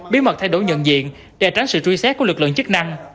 bí mật thay đổi nhận diện để tránh sự truy xét của lực lượng chức năng